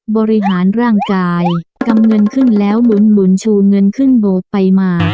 บริหารร่างกายกำเงินขึ้นแล้วหมุนชูเงินขึ้นโบสถ์ไปมา